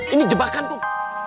ini jebakan kum